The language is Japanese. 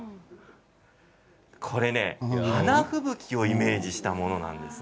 これ、花吹雪をイメージしたものなんです。